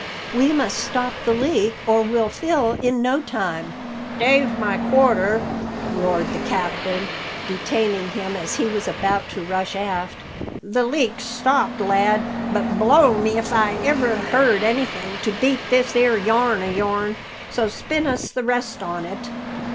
We must stop the leak, or we'll fill in no time." "Stave my quarter!" roared the captain, detaining him as he was about to rush aft. "The leak's stopped, lad; but blow me if ever I hear'd anything to beat this 'ere yarn o' your'n, so spin us the rest on it."